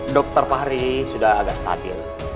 dokter fahri sudah agak stabil